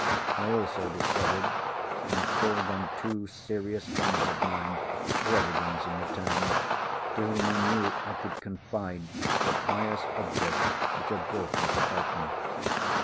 I also discovered, and called on two serious friends of mine, residents in the town, to whom I knew I could confide the pious object which had brought me to Brighton.